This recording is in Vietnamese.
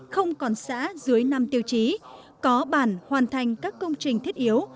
không còn xã dưới năm tiêu chí có bản hoàn thành các công trình thiết yếu